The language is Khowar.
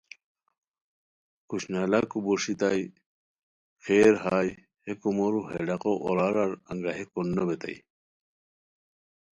کھوشنالاکو بوݰیتائے، خیر ہائے ہے کومورو ہے ڈاقو اورارار انگاہئیکو نوبیتائے